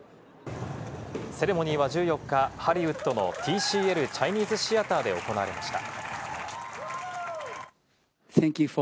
セレモニーは１４日、ハリウッドのＴＣＬチャイニーズ・シアターで行われました。